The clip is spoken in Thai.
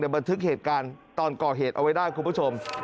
บันทึกเหตุการณ์ตอนก่อเหตุเอาไว้ได้คุณผู้ชม